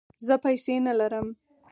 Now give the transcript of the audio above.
زه پیسې نه لرم